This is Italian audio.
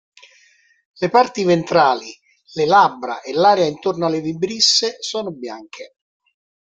Le parti ventrali, le labbra e l'area intorno alle vibrisse sono bianche.